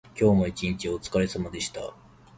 今日も一日おつかれさまでした。